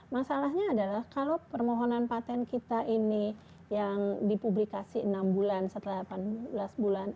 masalahnya adalah kalau permohonan patent kita ini yang dipublikasi enam bulan setelah delapan belas bulan